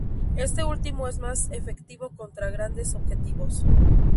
Este último es más efectivo contra grandes objetivos.